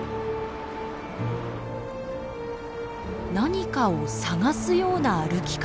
何かを探すような歩き方。